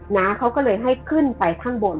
น้าเขาก็เลยให้ขึ้นไปข้างบน